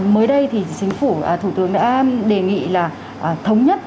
mới đây thì chính phủ thủ tướng đã đề nghị là thống nhất